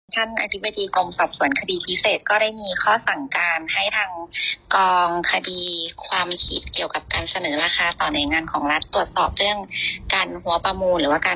ครับข้อมูลเบื้องต้นว่าได้มีการเชิญบุคคลที่เกี่ยวข้องเพื่อมาสอบปรับคำอยู่ค่ะ